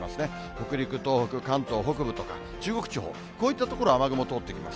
北陸、東北、関東北部とか、中国地方、こういった所、雨雲通っていきます。